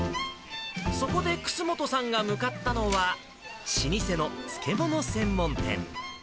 そこで楠本さんが向かったのは、老舗の漬物専門店。